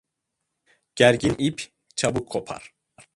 Gergin ip, çabuk kopar.